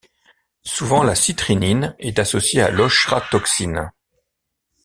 Souvent la citrinine est associée à l'ochratoxine.